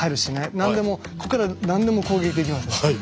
何でもこっから何でも攻撃できます。